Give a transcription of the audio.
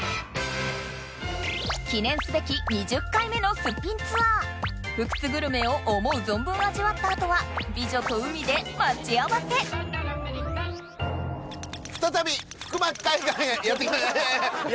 記念すべき２０回目の『すっぴんツアー』福津グルメを思う存分味わった後は美女と海で待ち合わせ再び福間海岸へやって来た。